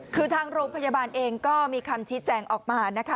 คือทางโรงพยาบาลเองก็มีคำชี้แจงออกมานะคะ